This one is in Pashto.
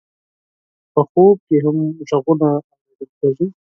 په خوب کې هم غږونه اورېدل کېږي.